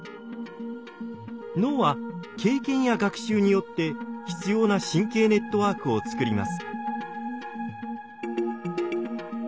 脳は経験や学習によって必要な神経ネットワークを作ります。